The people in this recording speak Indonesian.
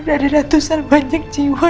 ada ratusan banyak jiwa